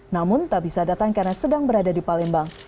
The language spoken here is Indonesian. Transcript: namun tak bisa datang karena sedang berada di palembang